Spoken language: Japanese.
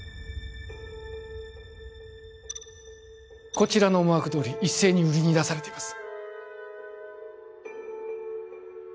こちらの思惑どおり一斉に売りに出されています